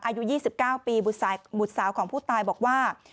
อายุ๒๙ปีบุตรสาวของผู้ตายบอกว่า